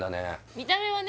見た目はね